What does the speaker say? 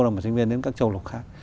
là một sinh viên đến các châu lục khác